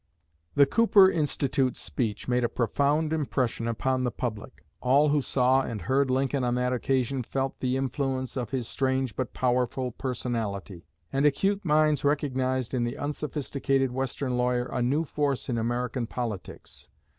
The Cooper Institute speech made a profound impression upon the public. All who saw and heard Lincoln on that occasion felt the influence of his strange but powerful personality; and acute minds recognized in the unsophisticated Western lawyer a new force in American politics.